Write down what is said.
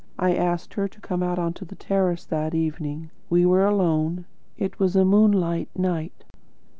I asked her to come out on to the terrace that evening. We were alone. It was a moonlight night."